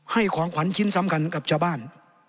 ให้ของขวัญชิ้นซ้ำกันกับชาวบ้าน